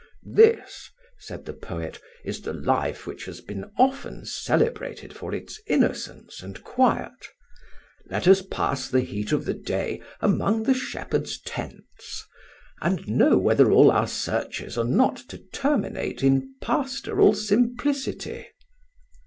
"This," said the poet, "is the life which has been often celebrated for its innocence and quiet; let us pass the heat of the day among the shepherds' tents, and know whether all our searches are not to terminate in pastoral simplicity."